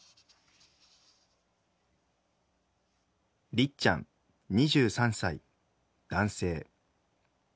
りっちゃん２３歳男性。